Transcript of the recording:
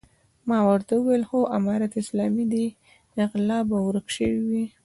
ما ورته وويل خو امارت اسلامي دی غله به ورک شوي وي.